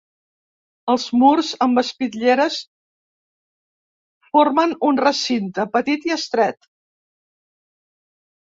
Els murs, amb espitlleres, formen un recinte petit i estret.